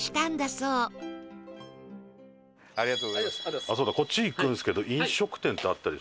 そうだこっち行くんですけど飲食店ってあったり？